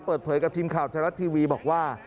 เปิดเผยกับทีมข่าวไทยรัฐทีวีบอกว่า